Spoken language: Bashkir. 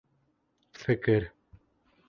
ФЕКЕР